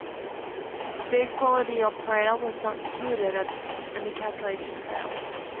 The equality operator was not included and the calculation failed.